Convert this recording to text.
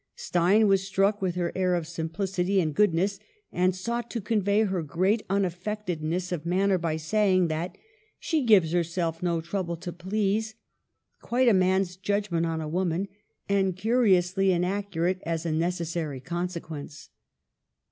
Stein was struck with her air of simplicity and goodness, and sought to convey her great unaf fectedness of manner by saying that " she gave herself no trouble to please" — quite a man's judgment on a woman, and curiously inaccurate as a necessary consequence.